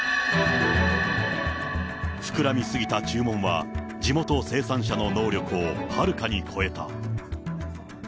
膨らみ過ぎた注文は、地元生産者の能力をはるかに超えた。